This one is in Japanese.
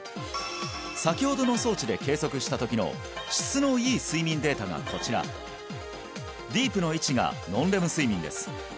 先ほどの装置で計測したときの質のいい睡眠データがこちらＤｅｅｐの位置がノンレム睡眠です